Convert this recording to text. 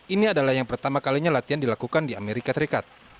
ini adalah yang pertama kalinya latihan dilakukan di amerika serikat